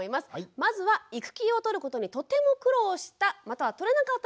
まずは育休をとることにとても苦労したまたはとれなかったというパパの声です。